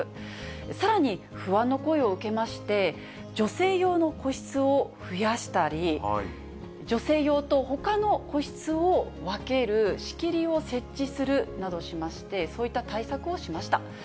さらに不安の声を受けまして、女性用の個室を増やしたり、女性用とほかの個室を分ける仕切りを設置するなどしまして、そういった対策をしました。